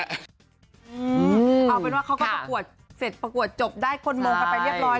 เอาเป็นว่าเขาก็ประกวดเสร็จประกวดจบได้คนมงกันไปเรียบร้อย